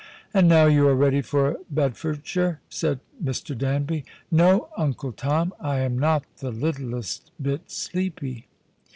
" And now you are ready for Bedfordshire," said Mr. Danby. " No, Uncle Tom. I am not the littlest bit sleepy."